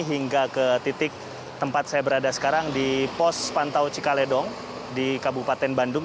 hingga ke titik tempat saya berada sekarang di pos pantau cikaledong di kabupaten bandung